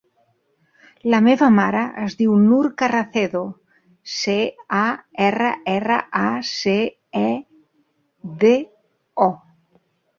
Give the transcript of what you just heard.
La meva mare es diu Nour Carracedo: ce, a, erra, erra, a, ce, e, de, o.